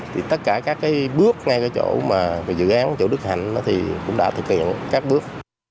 thì tất cả các bước ngay cái chỗ mà dự án chỗ đức hành thì cũng đã thực hiện các bước